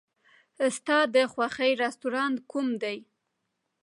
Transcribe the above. ستا د خوښې رستورانت کوم دی؟